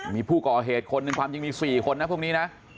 มีผู้ก่อเหตุคนหนึ่งความจริงมี๔คนนะพวกนี้นะ